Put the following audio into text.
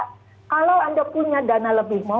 kalau anda punya dana lebih mau